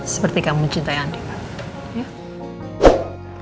seperti kamu mencintai andin